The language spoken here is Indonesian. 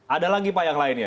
ada lagi pak yang lain ya